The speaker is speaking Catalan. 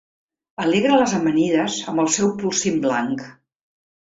Alegra les amanides amb el seu polsim blanc.